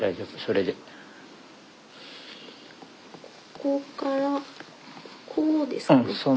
ここからこうですかね？